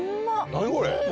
何これ⁉